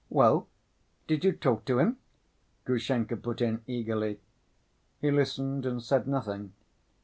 "Well? Did you talk to him?" Grushenka put in eagerly. "He listened and said nothing.